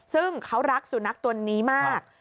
ซึ่งเขารักสุนัขตัวนี้มาก